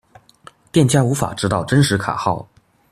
店家無法知道真實卡號